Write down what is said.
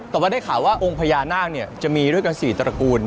แต่ว่าได้ข่าวว่าองค์พญานาคจะมีด้วยกัน๔ตระกูล